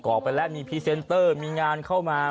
ออกไปแล้วมีพรีเซนเตอร์มีงานเข้ามา